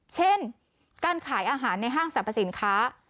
เช่นการขายอาหารในห้างสรรพสินค้า